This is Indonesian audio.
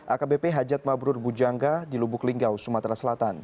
akbp hajat mabrur bujangga di lubuk linggau sumatera selatan